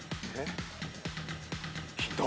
ヒント。